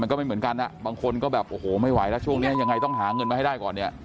ก็ไม่เหมือนกันอ่ะบางคนก็แบบโอ้โหไม่ไหวแล้วช่วงนี้ยังไงต้องหาเงินมาให้ได้ก่อนเนี่ย